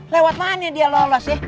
lewat mana dia lolos ya